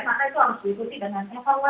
maka itu harus diikuti dengan evaluasi seperti apa